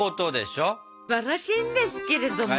すっばらしいんですけれども。